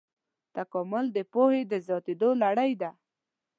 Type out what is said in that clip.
تکامل د پوهې د زیاتېدو لړۍ ده.